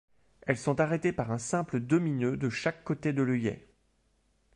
Elles sont arrêtées par un simple demi-nœud de chaque côté de l'œillet.